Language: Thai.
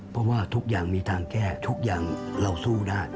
เพราะว่าทุกอย่างมีทางแก้ทุกอย่างเราสู้ได้